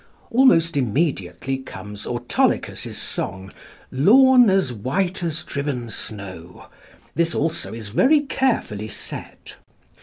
Almost immediately comes Autolycus's song, "Lawn as white as driven snow"; this also is very carefully set.